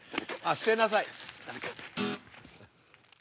捨てなさい。